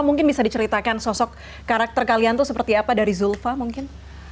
mungkin bisa diceritakan sosok karakter kalian tuh seperti apa dari zulfa mungkin